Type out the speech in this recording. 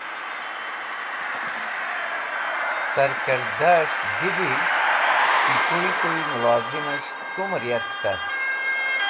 Sarkẽrdas̃h didig̃hd ki kuy kuy mẽlozimẽs̃h cumẽr yark cart.